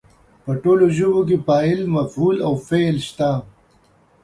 په ټولو ژبو کې فاعل، مفعول او فعل شته.